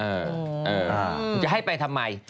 มึงจะให้ไปทำไม